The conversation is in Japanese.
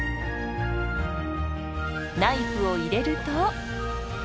ナイフを入れると。